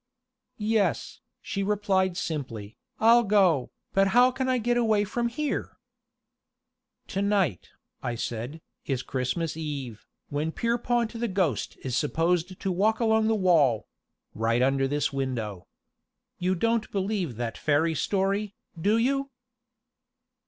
"Yes," she replied simply, "I'll go. But how can I get away from here?" "To night," I said, "is Christmas Eve, when Pierrepont the Ghost is supposed to walk along the wall right under this window. You don't believe that fairy story, do you?"